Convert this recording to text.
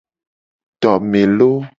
Tome lo.